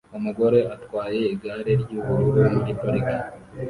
Umugore atwaye igare ry'ubururu muri parike